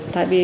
phải bị lừa